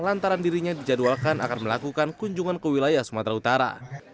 lantaran dirinya dijadwalkan akan melakukan kunjungan ke wilayah sumatera utara